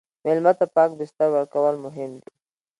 مېلمه ته پاک بستر ورکول مهم دي.